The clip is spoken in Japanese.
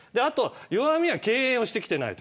弱みは経営をしてきていない。